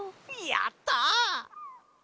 やった！